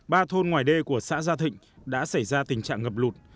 ba thôn ngoài đê của xã gia thịnh đã xảy ra tình trạng ngập lụt